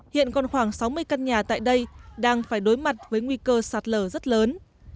hiện còn khoảng sáu mươi căn nhà tại đây đang phải đối mặt với nguy cơ sạt lở rất lớn